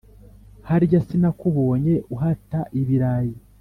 harya sinakubonye uhata ibirayi!’